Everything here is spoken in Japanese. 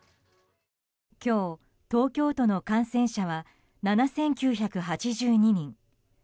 今日、東京都の感染者は７９８２人。